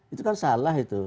itu kan salah itu